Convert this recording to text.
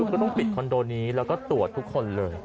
ก็ต้องปิดคอนโดนี้แล้วก็ตรวจทุกคนเลย